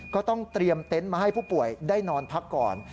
ก็ต้องเตรียมเต็นต์มาให้ผู้ป่วยได้นอนพักก่อน